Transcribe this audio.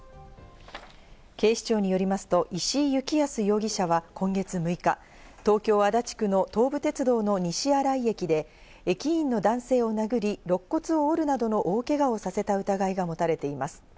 警視庁によりますと石井幸康容疑者は今月６日、東京・足立区の東武鉄道の西新井駅で、駅員の男性を殴り、肋骨を折るなどの大けがをさせた疑いが持たれています。